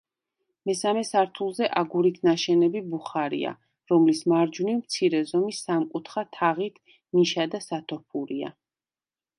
მესამე სართულზე აგურით ნაშენები ბუხარია, რომლის მარჯვნივ მცირე ზომის სამკუთხა თაღით ნიშა და სათოფურია.